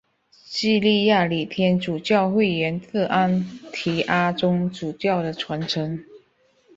叙利亚礼天主教会源自安提阿宗主教的传承。